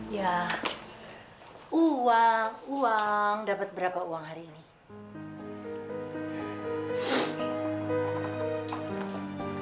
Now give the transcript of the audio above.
ya uang uang dapat berapa uang hari ini